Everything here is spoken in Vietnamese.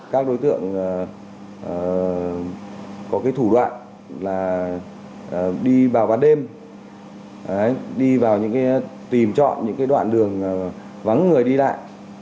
các đối tượng có cái thủ đoạn là đi vào bán đêm đi vào những cái tìm chọn những cái đoạn đường vắng người đi lại